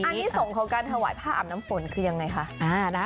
อันนี้ส่งของการถวายผ้าอาบน้ำฝนคือยังไงคะ